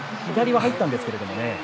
左は入ったんですけれどもね。